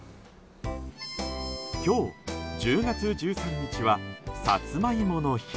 今日、１０月１３日はさつまいもの日。